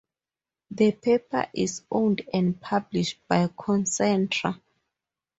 The paper is owned and published by Concentra.